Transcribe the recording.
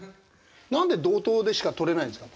なんで道東でしか取れないんですか？